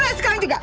cerai sekarang juga